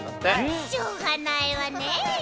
しょうがないわね。